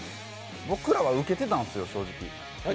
僕らはウケてたんですよ、正直。